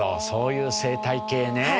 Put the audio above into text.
そういう生態系ね。